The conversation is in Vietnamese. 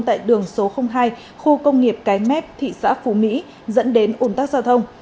tại đường số hai khu công nghiệp cái mép thị xã phú mỹ dẫn đến ủn tắc giao thông